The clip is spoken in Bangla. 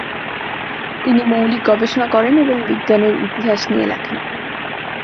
তিনি মৌলিক গবেষণা করেন এবং বিজ্ঞানের ইতিহাস নিয়ে লেখেন।